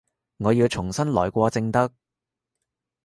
我要重新來過正得